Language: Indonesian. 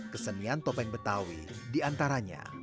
kesenian topeng betawi diantaranya